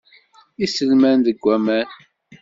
Iselman deg waman.